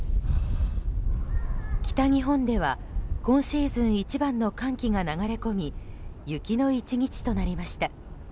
北日本では今シーズン一番の寒気が流れ込み雪の１日となりました。